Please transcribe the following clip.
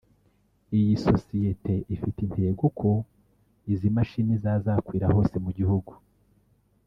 Iyi sosiyete ifite intego ko izi mashini zazakwira hose mu gihugu